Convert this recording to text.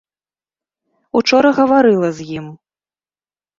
Учора гаварыла з ім.